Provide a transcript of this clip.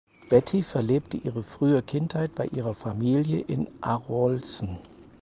Betty verlebte ihre frühe Kindheit bei ihrer Familie in Arolsen.